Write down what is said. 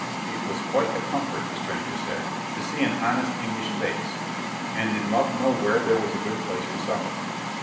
It was quite a comfort, the stranger said, to see an honest English face; and did Muff know where there was a good place for supper?